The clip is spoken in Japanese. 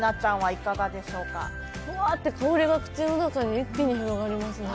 ふわーって香りが口の中に一気に広がりますね。